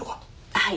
はい。